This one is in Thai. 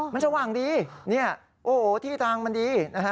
มันสว่างดีที่ทางมันดี